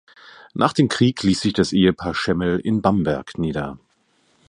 Nach dem Krieg ließ sich das Ehepaar Schemmel in Bamberg nieder.